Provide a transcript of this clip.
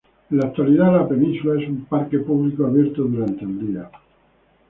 En la actualidad la península es un parque público abierto durante el día.